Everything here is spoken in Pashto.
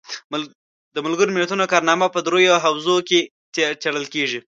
د ملګرو ملتونو کارنامه په دریو حوزو کې څیړل کیږي.